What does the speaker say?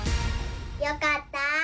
よかった！